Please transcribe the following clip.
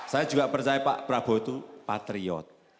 saya juga percaya pak prabowo itu patriot